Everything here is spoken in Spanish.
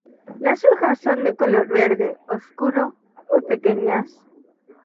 Las hojas son de color verde oscuro, muy pequeñas.